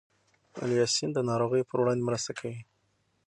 الیسین د ناروغیو پر وړاندې مرسته کوي.